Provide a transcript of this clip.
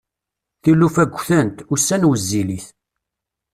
Tilufa ggtent, ussan wezzilit.